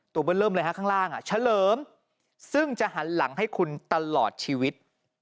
เบอร์เริ่มเลยฮะข้างล่างเฉลิมซึ่งจะหันหลังให้คุณตลอดชีวิต